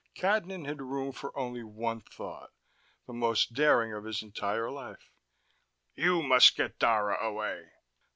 Cadnan had room for only one thought, the most daring of his entire life. "You must get Dara away."